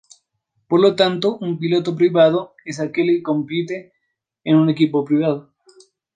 Por lo tanto, un piloto privado es aquel que compite en un equipo privado.